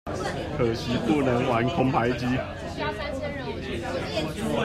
可惜不能玩空拍機